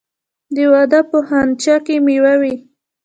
د واده په خنچه کې میوه وي.